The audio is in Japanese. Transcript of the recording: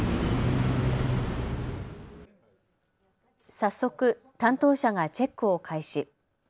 早速、担当者がチェックを開始。